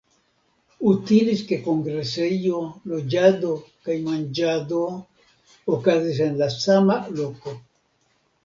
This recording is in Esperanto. Utilis ke kongresejo, loĝado kaj manĝado okazis en la sama loko.